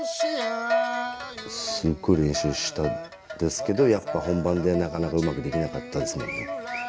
すっごい練習したんですけどやっぱ本番でなかなかうまくできなかったですもんね。